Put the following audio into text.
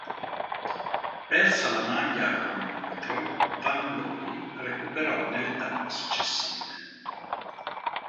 Persa la maglia a cronometro, Van Looy recuperò nelle tappe successive.